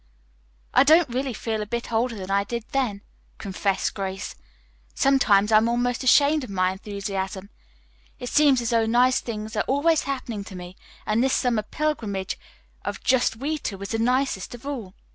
"I don't really feel a bit older than I did then," confessed Grace. "Sometimes I'm almost ashamed of my enthusiasm. It seems as though nice things are always happening to me, and this summer pilgrimage of just we two is the nicest of all."